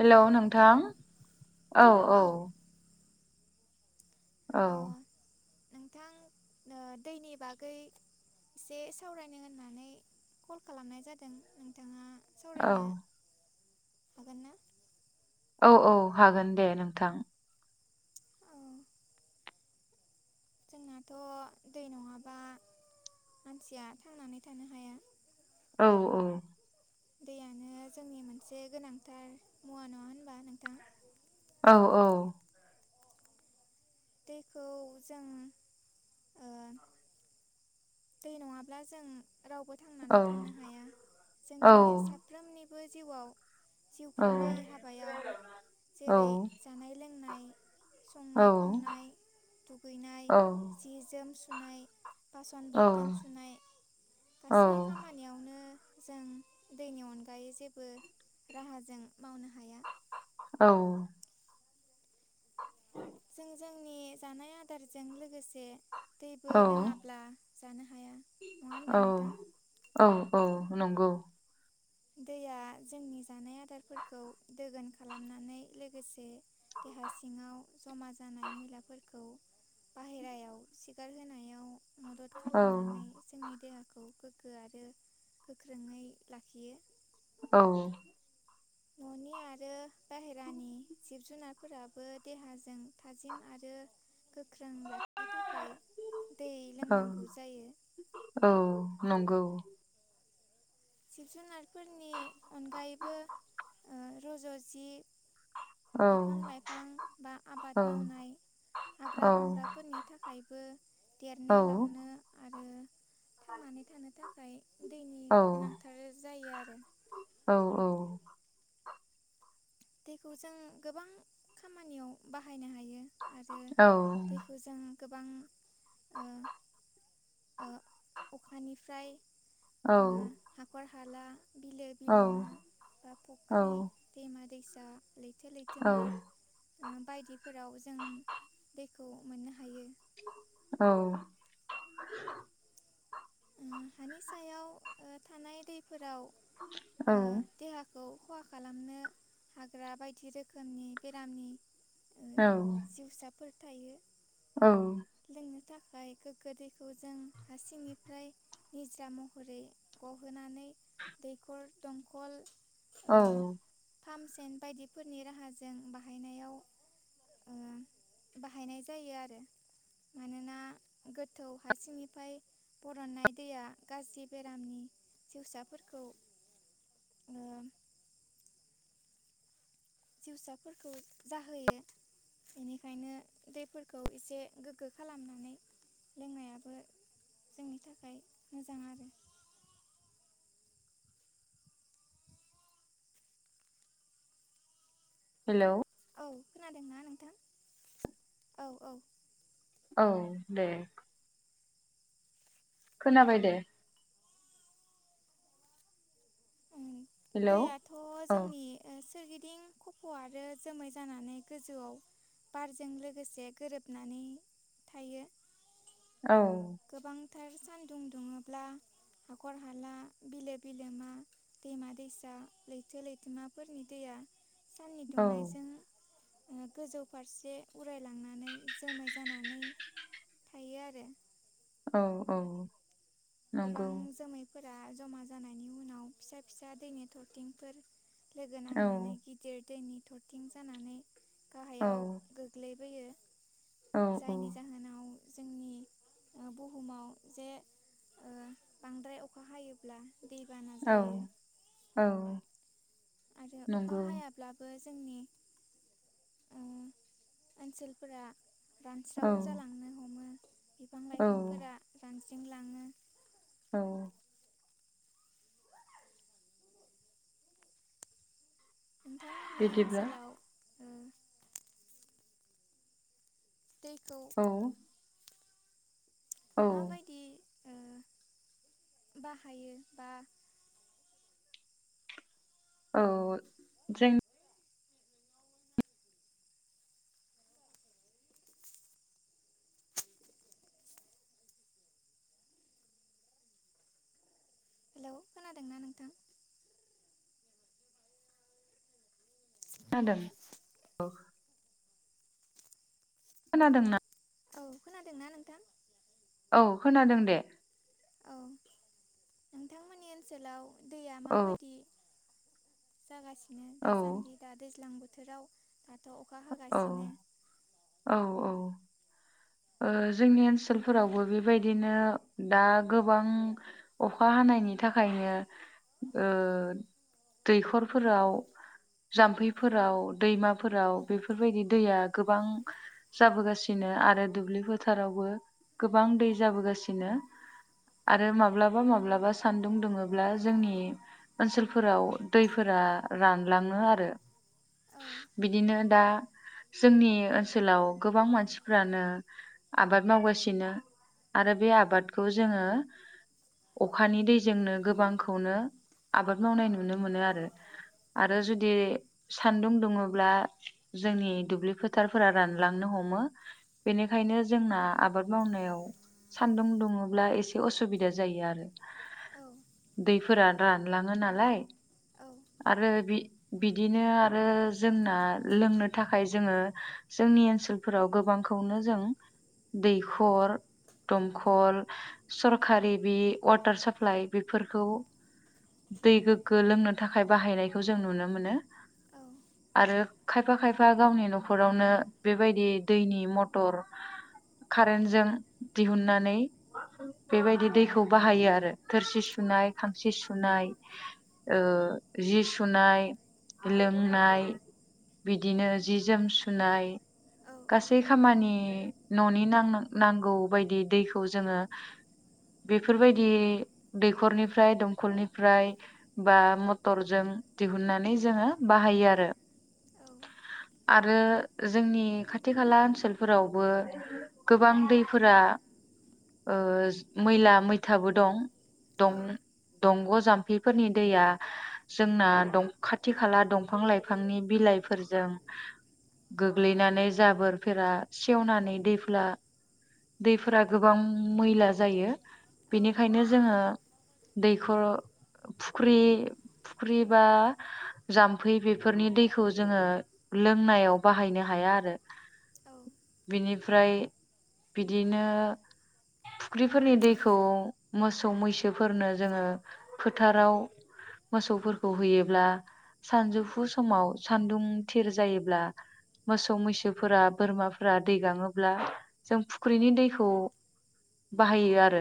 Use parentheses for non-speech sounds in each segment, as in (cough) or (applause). हेल' नोंथां औ औ। औ। अ नोंथां ओ दैनि बागै एसे सावरायनो होननानै कल खालामनाय जादों नोंथाङा औ। हागोनना। औ औ हागोन दे नोंथां। औ जोंनाथ' दै नङाबा मानसिया थांनानै थानो हाया। औ औ। दैयानो जोंनि मोनसे गोनांथार मुवा नङा होनबा नोंथां। औ औ। दैखौ जों ओ (inaudible) दै नङाब्ला जों रावबो औ थांनानै थानो हाया औ जोंनि साफ्रोमनि बो जिउआव जिउ औ खुंनाय हाबायाव औ जेरै जानाय लों संनाय खावनाय दुगैनाय जि जोम सु बासन बर टन सुनाय गासै खामानियावनो जों दैनि अनगायै जेबो राहाजों मावनो हाया। औ जों जोंनि जानाय आदारजों लोगोसे दैबो औ लोङाब्ला जानो हाया नङा होनबा औ नोंथां औ औ नंगौ दैया जोंनि जानाय आदारफोरखौ दोगोन खालामनानै लोगोसे देहा सिङाव जमा जानाय मैलाफोरखौ बाहेरायाव सिगारहोनायाव औ खौ गोग्गो आरो गोख्रोङै लाखियो। औ न'नि आरो बाहेरानि जिब जुनारफोराबो देहाजों थाजिम आरो गोख्रों लाखिनो थाखाय दै औ लोंनांगौ जायो। औ नंगौ जिब जुनारफोरनि अनगायैबो ओ रज' जि औ बिफां लाइफां बा औ आबाद मावनाय औ हाग्रा बंग्राफोरनि थाखायबो औ देरनो लावनो आरो थांनानै थानो था खाय दै औ गोनांथार जायो आरो। दैखौ जों गोबां खामानियाव बाहाय औ जों गोबां ओ ओ अखानिफ्राय औ ओ हाखर हाला बिलो बिलोमा बा फुख्रि दैमा दैस लैथो लैथोमा ओ बायदिफोराव जों दैखौ मोननो हायो। औ उम हानि सायाव ओ थानाय दै फोराव औ ओ देहा खौ खहा खालामनो हाग्रा बायदि रोखोमनि बेरामनि ओ औ जिउसाफोर थायो। औ। लोंनो थाखाय गोगो दैखौ जों हारसिंनि ओमफ्राय निज्रा महरै गहोनानै दैखर दंखल औ। पाम्पसेन बायदि फोरनि राहाजों बाहायनायाव ओ बाहायनाय जायो आरो। मानोना गोथौ हारसिंनिफ्राय बरननाय दैया गाज्रि बेरामनि जिउसाफोरखौ ओ जिउसाफोरखौ जाहोयो बेनिखायनो दैफोरखौ एसे गोग्गो खालामनानै लोंनायाबो जोंनि थाखाय मोजां आरो। हेलौ। औ खोनादोंना नोंथां? औ औ। औ दे। खोनाबाय दे। हेल' दैयाथ' औ। जोंनि सोरगिदिं खफ' आरो जोमै जानानै गोजौआव बारजों लोगोसे गोरोबनानै थायो। औ। गोबांथार सानदुं दुङोब्ला हाखर हाला, बिलो बिलोमा, दैमा दैसा, लैथो लैथोमाफोरनि दैया साननि औ दुंनायजों ओ गोजौ फारसे उरायलांनानै जोमै जानानै थायो आरो। औ औ। गोबां नंगौ जोमै फोरा जमा जानायनि उनाव फिसा फिसा दैनि थरथिंफोर लोगो औ नांनानै गिदिर दैनि थरथिं जानानै औ गाहायाव गोग्लै औ जायनि औ जाहोनाव जोंनि बुहुमाव जे ओ बांद्राय अखा हायोब्ला दै औ औ। आरो अखा नंगौ हायाब्लाबो जोंनि ओ ओनसोलफोरा औ रानस्राव जालांनो हमो। बिफां औ लाइफांफोरा रान ज्रिंलाङो। औ। नोंथांमोननि बिदिब्ला ओनसोलाव उम। दैखौ औ औ माबायदि ओ बाहायो बा औ जों हेलौ खोनादोंना नोंथां खोनादोंऔ खोनादोंना औ खोनादोंना नोंथां औ खोनादों दे औ नोंथांमोननि ओनसोलाव दैया औ माबायदि जागासि दासान्दि दा दैज्लांबो बोथोराव दाथ अखा औ हागासिनो (unintelligible) जोंनि ओनसोलफोरावबो बेबायदिनो दा गोबां अखा हानायनि थाखायनो दैखरफोराव जाम्फैफोराव दैमाफोराव बेफोरबायदि दैया गोबां जाबोगासिनो आरो दुब्लि फोथारावबो गोबां दै जाबोगासिनो आरो माब्लाबा माब्लाबा सानदुं दुंङोब्ला जोंनि ओनसोलफोराव दैफोरा रानलाङो आरो औ बिदिनो दा जोंनि ओनसोलाव गोबां मानसिफ्रानो आबाद मावगासिनो आरो बे आबादखौ जोंङो अखानि दैजोंनो गोबांखौनो आबाद मावनाय नुनो मोनो आरो आरो जुदि सानदुं दुङोब्ला जोंनि दुब्लि फोथारफोरा रानलांनो हमो बेनिखायनो जोंना आबाद मावनायाव सान्दुं दुङोब्ला एसे असुबिदा जायो आरो औ दैफोरा रानलाङो नालाय आरो बि बिदिनो आरो जोंना लोंनो थाखाय जोंङो जोंनि ओनसोलफोराव गोबां खौनो जों दैखर दमखल सरखारि बे वाटार साप्लाइ बेफोरखौ दै गोग्गो लोंनो थाखाय बाहायनायखौ जों नुनो मोनो औ आरो खायफा खायफा गावनि न'खरावनो बेबायदि दैनि मटर कारेन्टजों दिहुननानै बेबायदि दैखौ बाहायो आरो थोरसि सुनाय खांसि सुनाय जि सुनाय लोंनाय बिदिनो जि जोम सुनाय औ गासै खामानि ननि नांगौ बायदि दैखौ जोंङो बेफोरबायदि दैखरनिफ्राय दंखलनिफ्राय बा मटरजों दिहुननानै जोंङो बाहायो आरो औ आरो जोंनि खाथि खाला ओनसो ओनसोलफोरावबो गोबां दैफोरा ओ मैला मैथाबो दं औ दंग जामफैफोरनि दैया जोंना खाथि खाला दंफां लाइफांनि बिलाइफोरजों गोग्लैनानै जाबोर फेरा सेवनानै दैफ्ला दैफोरा गोबां मैला जायो बेनिखायनो जोंङो दैखर फुख्रि फुख्रि बा जाम्फै बेफोरनि दैखौ जोंङो लोंनायाव बाहायनो हाया आरो बिनि फ्राय बिदिनो फुख्रिफोरनि दैखौ मोसौ मैसोफोरनो जोङो फोथाराव मोसौफोरखौ होयोब्ला सानजौफु समाव सानदुं थिर जायोब्ला मोसौ मैसोफोरा बोरमाफोरा दै गाङोब्ला जों फुख्रिनि दैखौ बाहायो आरो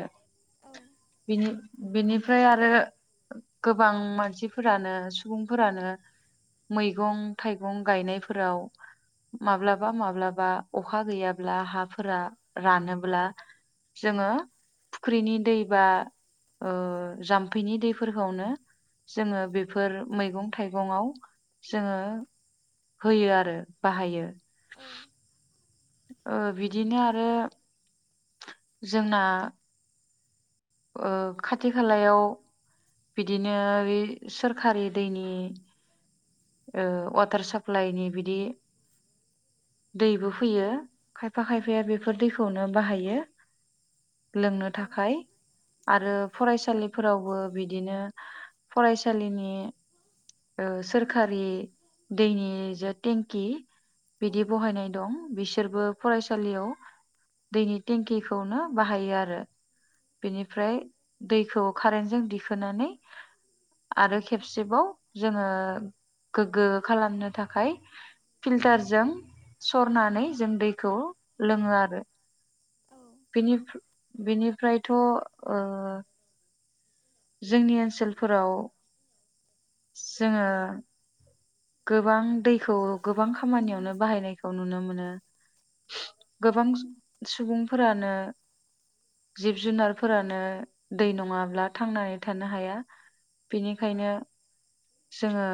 बिनि बिनिफ्राय आरो गोबां मानसिफोरानो सुबुंफोरानो मैगं थाइगं गायनायफोराव माब्लाबा माब्लाबा अखा गैयाब्ला हाफोरा रानोब्ला जोंङो फुख्रिनि दै बा ओ जाम्फैनि दैफोरखौनो जोंङो बेफोर मैगं थाइगंआव जोंङो होयो आरो बाहायो औ ओ बिदिनो आरो जोंना ओ खाथि खालायाव बिदिनो बे सोरखारि दैनि ओ वाटार साप्लाइनि बिदि दैबो फैयो खायफा खायफाया बेफोर दैखौनो बाहायो लोंनो औ थाखाय औ आरो फरायसालिफोरावबो बिदिनो फरायसालिनि ओ सोर सरखारि दैनि जे टेंकि औ बिदि बहायनाय दं बिसोरबो फरायसालियाव दैनि टेंकिखौनो बाहायो आरो बेनिफ्राय दैखौ कारेन्टजों दिखोनानै आरो खेबसेबाव जोंङो गोग्गो खालामनो थाखाय फिल्टारजों सरनानै जों दैखौ लोंङो आरो औ बिनि बिनिफ्रायथ ओ जोंनि ओनसोलफोराव जोङो गोबां दैखौ गोबां खामानियावनो बाहायनायखौ नुनो मोनो गोबां सुबुंफोरानो जिब जुनारफोरानो दै नङाब्ला थांनानै थानो हाया बेनिखायनो। जोङो।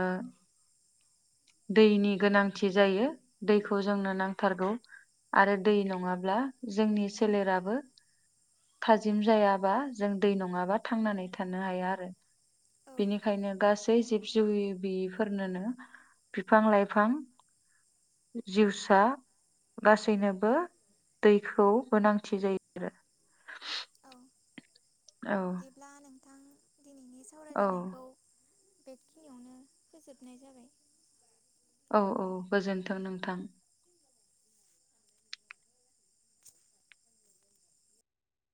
दैनि गोनांथि जायो दैखौ जोंनो नांथारगौ आरो दै नङाब्लाथाय जोंनि सोलेराबो थाजिम जायाबा जों दै नङाबा थांनानै थानो हाया आरो औ बेनिखायनो गासै जिब जिवि बिफोरनोनो। बिफां लाइफां जिउसा गासैनोबो दैखौ गोनांथि जायो आरो। औ बिदिब्ला नों। दिनैनि औ सावरायलायनायखौ। बेखिनियावनो फोजोबनाय जाबाय। औ औ गोजोनथों नोंथां।